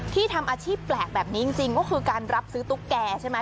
ทำอาชีพแปลกแบบนี้จริงก็คือการรับซื้อตุ๊กแกใช่ไหม